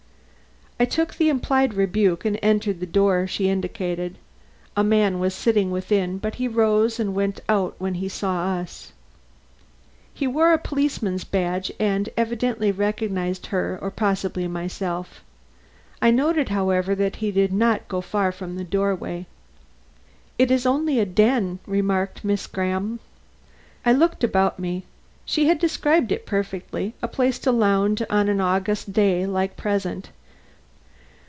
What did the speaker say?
I took the implied rebuke and entered the door she indicated. A man was sitting within, but he rose and went out when he saw us. He wore a policeman's badge and evidently recognized her or possibly myself. I noted, however, that he did not go far from the doorway. "It is only a den," remarked Miss Graham. I looked about me. She had described it perfectly: a place to lounge in on an August day like the present.